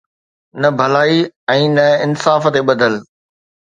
نه ڀلائي ۽ نه انصاف تي ٻڌل.